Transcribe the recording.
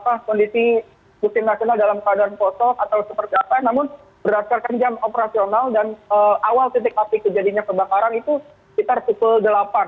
apakah kondisi musim nasional dalam keadaan kosong atau seperti apa namun berdasarkan jam operasional dan awal titik api kejadiannya kebakaran itu sekitar pukul delapan